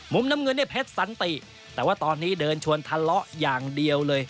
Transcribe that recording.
มุมน้ำเงินเนี่ยเพชรสันติแต่ว่าตอนนี้เดินชวนทะเลาะอย่างเดียวเลย